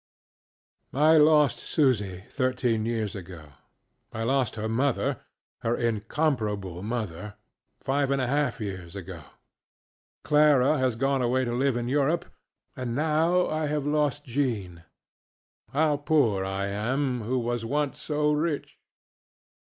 I lost Susy thirteen years ago; I lost her motherŌĆöher incomparable mother! ŌĆöfive and a half years ago; Clara has gone away to live in Europe; and now I have lost Jean. How poor I am, who was once so rich!